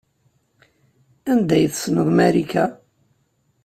Anda ay tessneḍ Marika?